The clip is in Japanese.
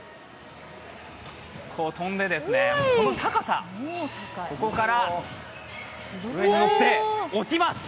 この高さ、ここから上に乗って落ちます！